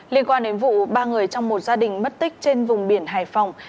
liên quan đến vụ ba người trong một gia đình mất tích trên vùng biển hải phòng